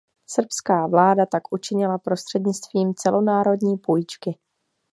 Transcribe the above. Srbská vláda tak učinila prostřednictvím celonárodní půjčky.